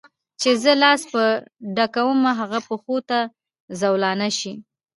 چي زه لاس په ډکومه هغه پښو ته زولانه سي